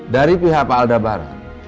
dari pihak pak aldabaran